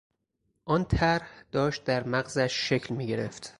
آن طرح داشت در مغزش شکل میگرفت.